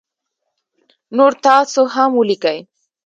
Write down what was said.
نور تاسو هم ولیکی